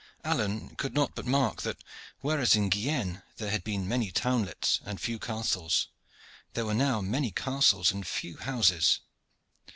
Alleyne could not but mark that, whereas in Guienne there had been many townlets and few castles, there were now many castles and few houses.